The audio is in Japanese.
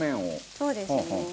そうですね。